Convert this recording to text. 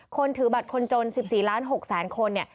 คนถือบัตรคนจน๑๔ล้าน๖๐๐คน